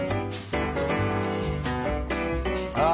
あ